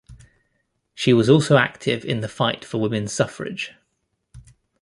She was also active in the fight for women's suffrage.